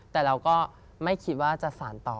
แต่เราก็ไม่คิดว่าจะสารต่อ